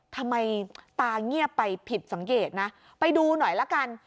ทำไมตาเงียบไปผิดสังเกตนะไปดูหน่อยละกัน